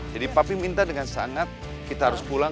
jadi papi minta dengan sanat kita harus pulang